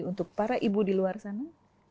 untuk para ibu di luar sana